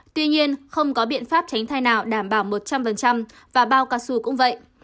tuy nhiên không có biện pháp tránh thai nào đảm bảo một trăm linh và bao cao su cũng vậy